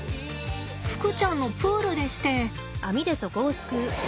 ふくちゃんのプールでして。